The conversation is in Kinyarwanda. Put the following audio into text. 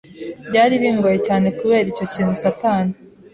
Byari bingoye cyane kubera icyo kintu satani